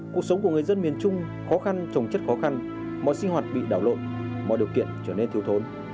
cuộc sống của người dân miền trung khó khăn trồng chất khó khăn mọi sinh hoạt bị đảo lộn mọi điều kiện trở nên thiếu thốn